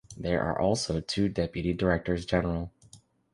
There are also two Deputy Directors-General.